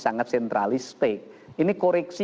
sangat sentralistik ini koreksi